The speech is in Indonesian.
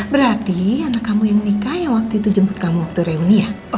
berarti anak kamu yang nikah yang waktu itu jemput kamu waktu reuni ya